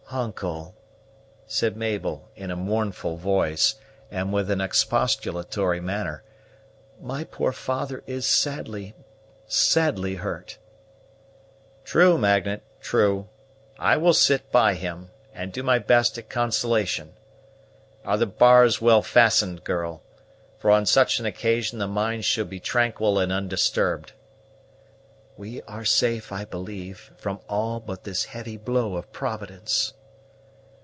"Uncle," said Mabel in a mournful voice and with an expostulatory manner, "my poor father is sadly, sadly hurt!" "True, Magnet, true; I will sit by him, and do my best at consolation. Are the bars well fastened, girl? for on such an occasion the mind should be tranquil and undisturbed." "We are safe, I believe, from all but this heavy blow of Providence."